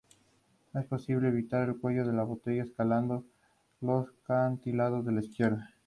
Es posible evitar el cuello de botella escalando los acantilados de la izquierda.